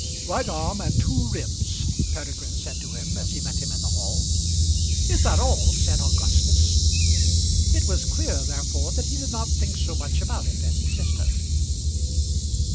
"Right arm and two ribs," Peregrine said to him, as he met him in the hall. "Is that all?" said Augustus. It was clear therefore that he did not think so much about it as his sister.